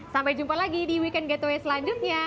sampai jumpa lagi di weekend gateway selanjutnya